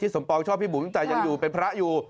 สมปองชอบพี่บุ๋มแต่ยังอยู่เป็นพระอยู่